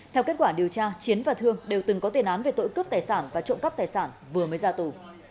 theo kết quả điều tra chiến và thương đều từng có tiền án về tội cướp tài sản và trộm cắp tài sản vừa mới ra tù